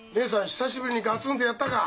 久しぶりにガツンとやったか。